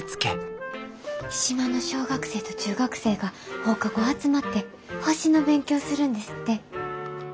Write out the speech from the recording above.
島の小学生と中学生が放課後集まって星の勉強するんですって。